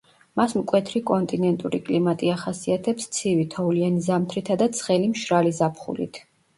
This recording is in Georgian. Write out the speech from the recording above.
მას მკვეთრი კონტინენტური კლიმატი ახასიათებს ცივი თოვლიანი ზამთრითა და ცხელი მშრალი ზაფხულით.